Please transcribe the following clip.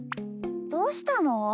どうしたの？